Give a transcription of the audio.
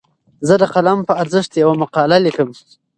زه د قلم په ارزښت یوه مقاله لیکم.